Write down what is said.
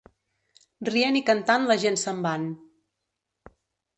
Rient i cantant la gent se'n van.